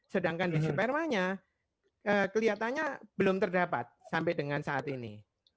sedangkan di spermanya kelihatannya belum terdapat sampai dengan saat ini